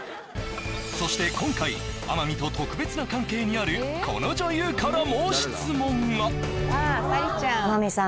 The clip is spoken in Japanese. そして今回天海と特別な関係にあるこの女優からも質問が天海さん